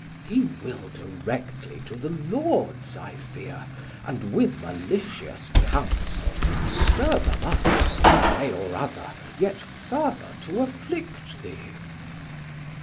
Chor: He will directly to the Lords, I fear, 1250 And with malitious counsel stir them up Some way or other yet further to afflict thee.